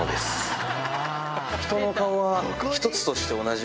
人の顔は。